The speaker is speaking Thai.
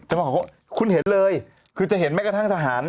เจ้าพ่อเขาคุณเห็นเลยคือจะเห็นแม้กระทั่งฐาน